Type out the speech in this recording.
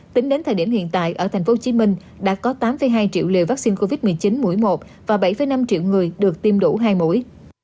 tính đến thời điểm hiện tại ở tp hcm đã có tám hai triệu liều vaccine covid một mươi chín mũi một và bảy năm triệu người được tiêm đủ hai mũi